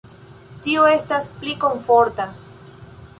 Tio estas pli komforta.